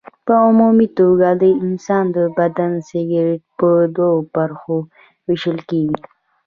په عمومي توګه د انسان د بدن سکلېټ په دوو برخو ویشل کېږي.